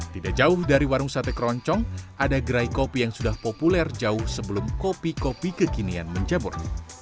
tidak jauh dari warung sate keroncong ada gerai kopi yang sudah populer jauh sebelum kopi kopi kekinian mencebur